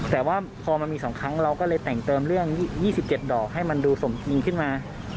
แต่ว่าพอมันมี๒ครั้งเราก็เลยแต่งเติมเรื่อง๒๗ดอกให้มันดูสมจริงขึ้นมา